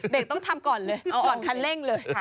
เบรกต้องทำก่อนเลยเอาอ่อนคันเร่งเลย